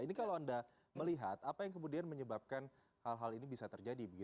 ini kalau anda melihat apa yang kemudian menyebabkan hal hal ini bisa terjadi